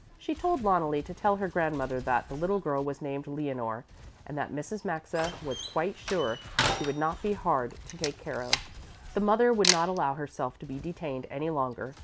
She told Loneli to tell her grandmother that the little girl was named Leonore and that Mrs. Maxa was quite sure she would not be hard to take care of. The mother would not allow herself to be detained any longer.